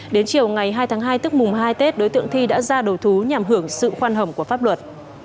đến chiều ngày hai tháng hai tức mùng hai tết đối tượng thi đã ra đầu thú nhằm hưởng sự khoan hồng của pháp luật